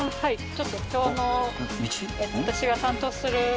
ちょっと今日の。